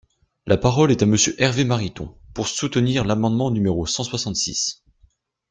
La parole est à Monsieur Hervé Mariton, pour soutenir l’amendement numéro cent soixante-six.